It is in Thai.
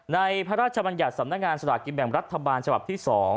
พระราชบัญญัติสำนักงานสลากกินแบ่งรัฐบาลฉบับที่๒